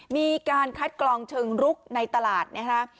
มีการคัดกรองเชิงรุกในตลาดนะฮะ